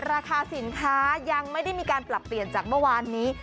ราคาสินค้ายังไม่ได้มีการปรับเปลี่ยนจากเมื่อวานนี้